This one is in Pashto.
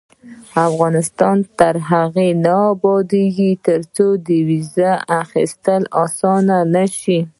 افغانستان تر هغو نه ابادیږي، ترڅو د ویزې اخیستل اسانه نشي.